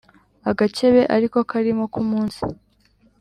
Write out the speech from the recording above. agakebe ari ko karimo k ' umunsi